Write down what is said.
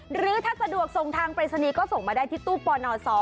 หรือถ้าสะดวกส่งทางปริศนีย์ก็ส่งมาได้ที่ตู้ปน๒